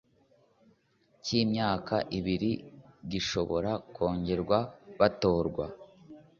cy imyaka ibiri gishobora kongerwa batorwa